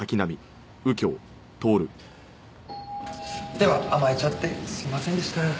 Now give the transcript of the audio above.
では甘えちゃってすいませんでした。